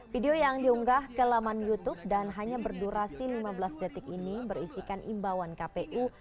video yang diunggah ke laman youtube dan hanya berdurasi lima belas detik ini berisikan imbauan kpu